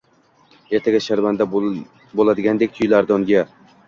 ertaga sharmanda bo‘ladigandek tuyulardi unga.